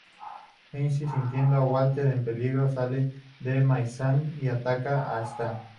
Jasmine, sintiendo a Walter en peligro, sale del maizal y ataca a Stan.